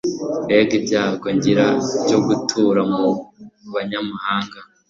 mbega ibyago ngira byo gutura mu banyamahanga